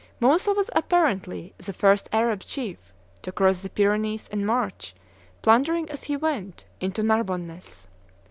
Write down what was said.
Moussa was, apparently, the first Arab chief to cross the Pyrenees and march, plundering as he went, into Narbonness.